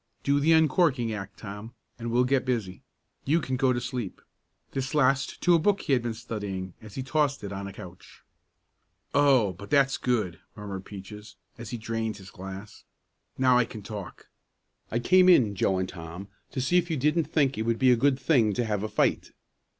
"Do the uncorking act, Tom, and we'll get busy. You can go to sleep," this last to a book he had been studying, as he tossed it on a couch. "Oh, but that's good!" murmured Peaches as he drained his glass. "Now I can talk. I came in, Joe and Tom, to see if you didn't think it would be a good thing to have a fight."